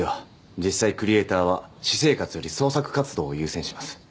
実際クリエイターは私生活より創作活動を優先します